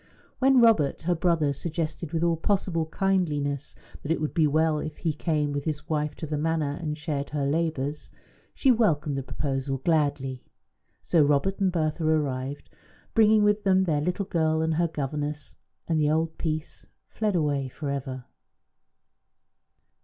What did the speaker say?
When Robert, her brother, suggested, with all possible kindliness, that it would be well if he came with his wife to the Manor and shared her labours, she welcomed the proposal gladly. So Robert and Bertha arrived, bringing with them their little girl and her governess; and the old peace fled away for ever.